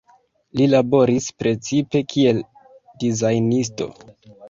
Li laboris precipe kiel dizajnisto.